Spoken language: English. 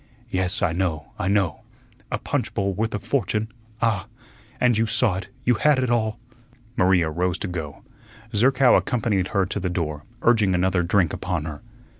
Yes, I know, I know. A punch bowl worth a fortune. Ah! and you saw it, you had it all!" Maria rose to go. Zerkow accompanied her to the door, urging another drink upon her.